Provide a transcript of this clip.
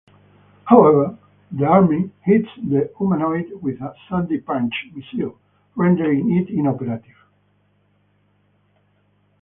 However, the army hits the Humanoid with a "Sunday Punch" missile, rendering it inoperative.